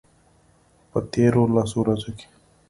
په تیرو لسو ورځو کې